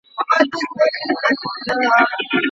شپه بې تیارې نه وي.